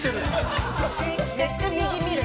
「めっちゃ右見る」